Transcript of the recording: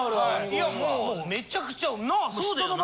いやもうめちゃくちゃなあそうだよな？